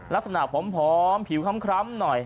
ลักษณะผมพร้อมผิวคล้ำหน่อย